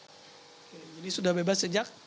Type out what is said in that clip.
jadi sudah bebas sejak